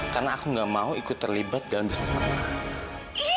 karena aku enggak mau ikut terlibat dalam bisnis matahari